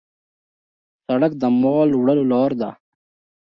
سړک د مال وړلو لار ده.